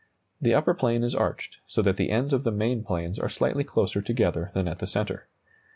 The upper plane is arched, so that the ends of the main planes are slightly closer together than at the centre.